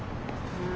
うん。